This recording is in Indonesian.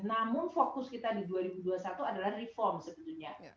namun fokus kita di dua ribu dua puluh satu adalah reform sebetulnya